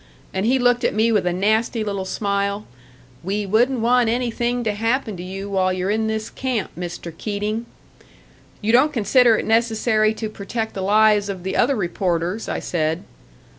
And he looked at me with a nasty little smile. 'We wouldn't want anything to happen to you while you're in this camp, Mr. Keating.' 'You don't consider it necessary to protect the lives of the other reporters,' I said.